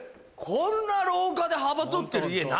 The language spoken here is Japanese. こんな廊下で幅取ってる家ないよ